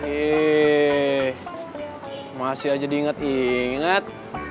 eh masih aja diinget inget